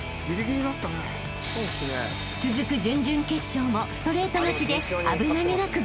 ［続く準々決勝もストレート勝ちで危なげなく］